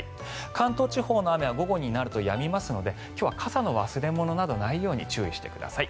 関東地方の雨は午後になりますとやみますので今日はは傘の忘れ物がないよう注意してください。